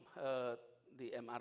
kalau boleh usul bagup di mrt